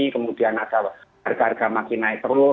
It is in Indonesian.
kemudian ada harga harga makin naik terus